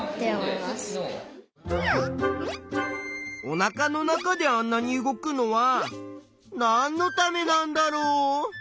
おなかの中であんなに動くのはなんのためなんだろう？